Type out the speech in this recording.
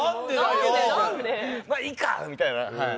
まあいいかみたいなはい。